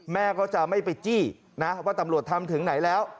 แม่ก็จะไม่ไปจี้นะว่าตำรวจทำถึงไหนแล้ว